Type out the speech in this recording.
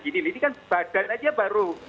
gini ini kan badan aja baru